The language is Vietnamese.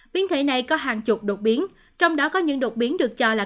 biến thể này có hàng chục đột biến trong đó có những đột biến được cho là